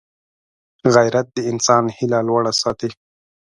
غیرت د انسان هیله لوړه ساتي